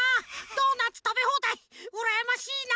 ドーナツたべほうだいうらやましいな！